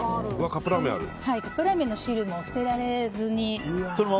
カップラーメンの汁も捨てられずに。